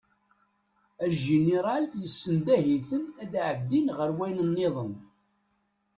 Ajiniral yessendeh-iten ad ɛeddin ɣer wayen-nniḍen.